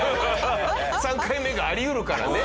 ３回目があり得るからね。